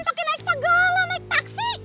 pakai naik segala naik taksi